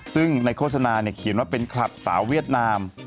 ซึ่งในโฆษณาเขียนว่าเป็นคลับสาวเวียดนาม